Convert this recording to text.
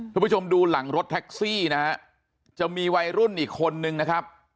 ผู้ชมดูหลังรถแท็กซี่นะฮะจะมีวัยรุ่นอีกคนนึงนะครับ